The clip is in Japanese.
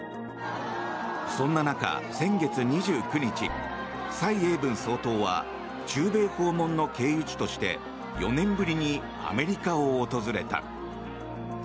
そんな中、先月２９日蔡英文総統は中米訪問の経由地として４年ぶりにアメリカを訪れた。